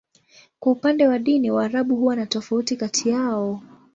Kwa upande wa dini, Waarabu huwa na tofauti kati yao.